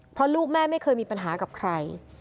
เพราะลูกแม่ไม่เคยมีปัญหากับใคร